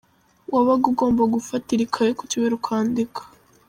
Wabaga ugomba gufatira ikaye ku bibero ukandika!”.